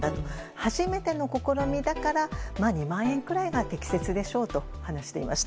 初めての試みだから２万円くらいが適切でしょうと話していました。